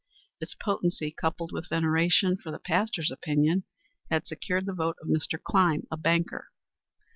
Its potency, coupled with veneration, for the pastor's opinion, had secured the vote of Mr. Clyme, a banker.